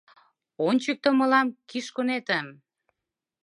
Ончыкто мылам Кишконетым!